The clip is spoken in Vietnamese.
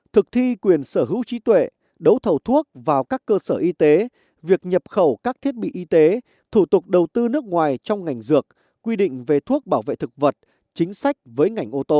thực thi quyền sở hữu trí tuệ đấu thầu thuốc vào các cơ sở y tế việc nhập khẩu các thiết bị y tế thủ tục đầu tư nước ngoài trong ngành dược quy định về thuốc bảo vệ thực vật chính sách với ngành ô tô